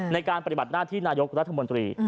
ในการปฏิบัติหน้าที่นายกรัฐมนตรี